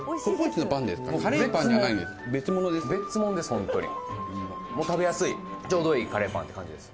ホントに食べやすいちょうどいいカレーパンって感じです